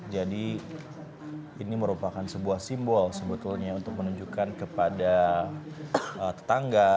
jadi ini merupakan sebuah simbol sebetulnya untuk menunjukkan kepada tetangga